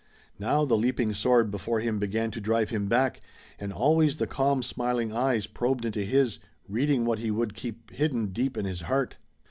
Now the leaping sword before him began to drive him back, and always the calm smiling eyes probed into his, reading what he would keep hidden deep in his heart.